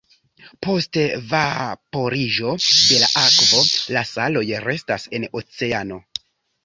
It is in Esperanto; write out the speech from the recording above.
Post vaporiĝo de la akvo, la saloj restas en oceano.